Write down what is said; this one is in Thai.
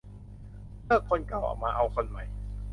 เลิกคนเก่ามาเอาคนใหม่